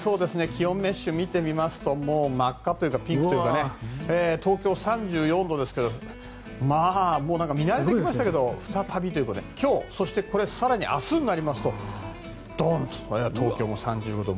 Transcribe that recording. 気温メッシュ見てみますと真っ赤というかピンクというか東京３４度ですがもう見慣れてきましたけど再びということで今日、それと明日になりますとドンと東京も３５度。